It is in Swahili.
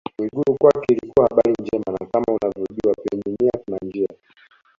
Mwigulu kwake ilikuwa habari njema na kama unavyojua penye nia kuna njia